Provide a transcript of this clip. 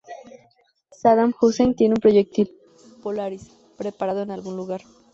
Saddam Husein tiene un proyectil "Polaris" preparado en algún lugar.